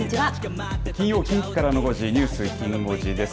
金曜近畿からの５時ニュースきん５時です。